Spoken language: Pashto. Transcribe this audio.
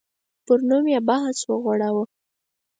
پر نوم یې بحث وغوړاوه.